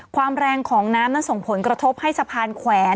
ความแรงของน้ำนั้นส่งผลกระทบให้สะพานแขวน